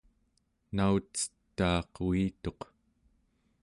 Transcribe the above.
naucetaaq uituq